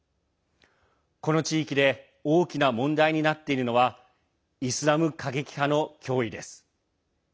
この地域で大きな問題になっているのはイスラム過激派の脅威です。